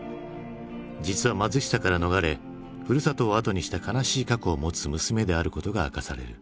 実は貧しさから逃れふるさとを後にした悲しい過去を持つ娘であることが明かされる。